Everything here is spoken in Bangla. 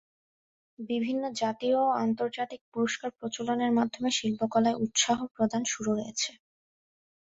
বিভিন্ন জাতীয় ও আন্তর্জাতিক পুরস্কার প্রচলনের মাধ্যমে শিল্পকলায় উৎসাহ প্রদান শুরু হয়েছে।